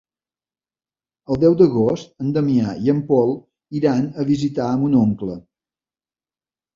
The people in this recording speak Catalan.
El deu d'agost en Damià i en Pol iran a visitar mon oncle.